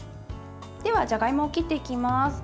じゃがいもを切っていきます。